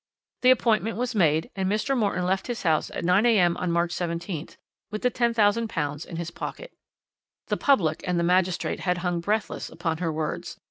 The appointment was made, and Mr. Morton left his house at 9 a.m. on March 17th with the £10,000 in his pocket. "The public and the magistrate had hung breathless upon her words.